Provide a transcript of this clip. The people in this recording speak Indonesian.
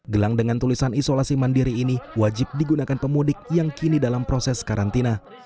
gelang dengan tulisan isolasi mandiri ini wajib digunakan pemudik yang kini dalam proses karantina